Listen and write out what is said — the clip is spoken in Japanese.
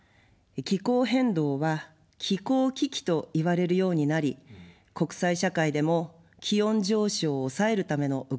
気候変動は気候危機といわれるようになり、国際社会でも気温上昇を抑えるための動きが活発です。